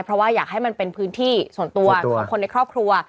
เพราะว่าอยากให้มันเป็นพื้นที่ส่วนตัวของคนในครอบครัว